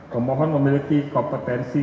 pemohon memiliki kompetensi